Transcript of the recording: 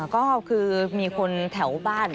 ก็คือมีคนแถวบ้าน